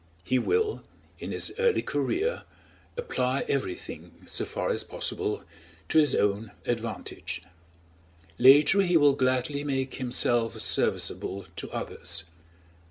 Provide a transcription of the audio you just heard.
He will, in his early career, apply everything, so far as possible, to his own advantage; later he will gladly make himself serviceable to others.